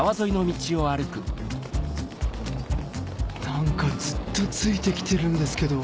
何かずっとついてきてるんですけど